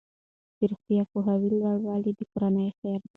د روغتیايي پوهاوي لوړوالی د کورنۍ خیر دی.